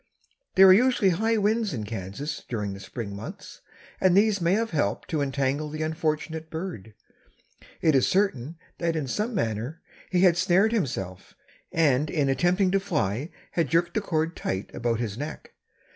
There are usually high winds in Kansas during the Spring months, and these may have helped to entangle the unfortunate bird. It is certain that in some manner he had snared himself, and in attempting to fly had jerked the cord tight about his neck.